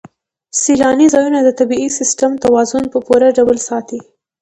سیلاني ځایونه د طبعي سیسټم توازن په پوره ډول ساتي.